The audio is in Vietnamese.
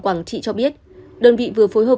quảng trị cho biết đơn vị vừa phối hợp